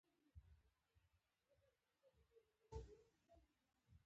خوږ ژبې خلک دي .